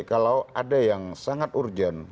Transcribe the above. kalau ada yang sangat urgent